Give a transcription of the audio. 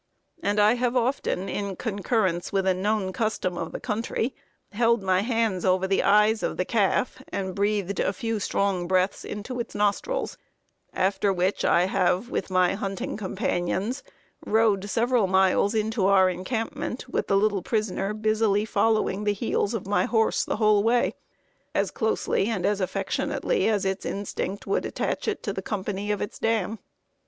And I have often, in concurrence with a known custom of the country, held my hands over the eyes of the calf and breathed a few strong breaths into its nostrils, after which I have, with my hunting companions, rode several miles into our encampment with the little prisoner busily following the heels of my horse the whole way, as closely and as affectionately as its instinct would attach it to the company of its dam.